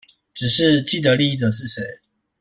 只是既得利益者是誰